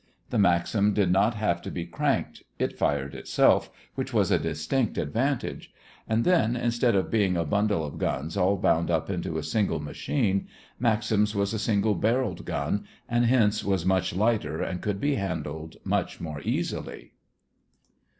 The Maxim did not have to be cranked: it fired itself, which was a distinct advantage; and then, instead of being a bundle of guns all bound up into a single machine, Maxim's was a single barreled gun and hence was much lighter and could be handled much more easily.